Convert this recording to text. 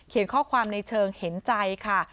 ข้อความในเชิงเห็นใจค่ะ